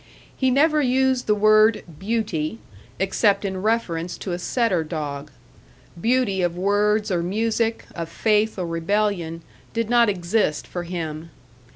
He never used the word "beauty" except in reference to a setter dog beauty of words or music, of faith or rebellion, did not exist for him.